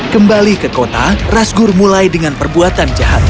kembali ke kota razgoor mulai dengan perbuatan jahatnya